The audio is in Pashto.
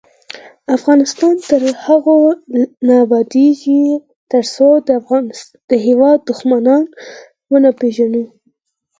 افغانستان تر هغو نه ابادیږي، ترڅو د هیواد دښمنان ونه پیژنو.